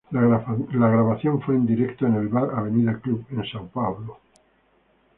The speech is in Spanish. La grabación fue en directo, en el "Bar Avenida Club", en São Paulo.